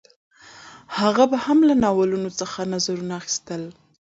هغه به هم له ناولونو څخه نظرونه اخیستل